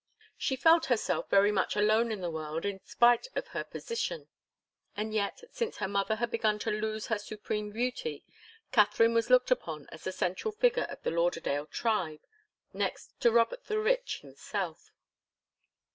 She felt herself very much alone in the world, in spite of her position. And yet, since her mother had begun to lose her supreme beauty, Katharine was looked upon as the central figure of the Lauderdale tribe, next to Robert the Rich himself.